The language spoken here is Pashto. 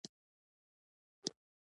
عمل یې ورباندې کړی دی.